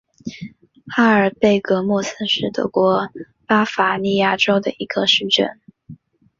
哈尔贝格莫斯是德国巴伐利亚州的一个市镇。